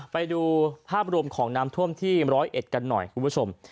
ไปดูภาพรวมของน้ำท่วมที่๑๐๑กันหน่อยคุณผู้ชม